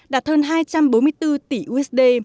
đạt hơn hai trăm bốn mươi bốn tỷ usd